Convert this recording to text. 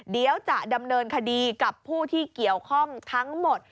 เดี๋ยวจะดำเนินคดีกับผู้ที่เกี่ยวข้องทั้งหมด